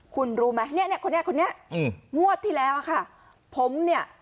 คุณรู้ไหมเนี่ยคนนี้คนนี้อืมงวดที่แล้วอะค่ะผมเนี่ย